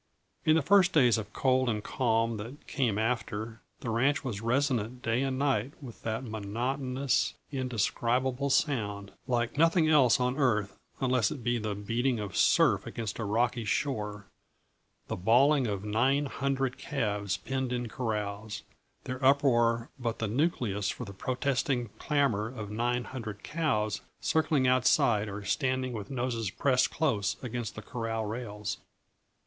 In the first days of cold and calm that came after, the ranch was resonant day and night with that monotonous, indescribable sound, like nothing else on earth unless it be the beating of surf against a rocky shore the bawling of nine hundred calves penned in corrals, their uproar but the nucleus for the protesting clamor of nine hundred cows circling outside or standing with noses pressed close against the corral rails.